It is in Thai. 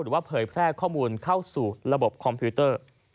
เผยแพร่ข้อมูลเข้าสู่ระบบคอมพิวเตอร์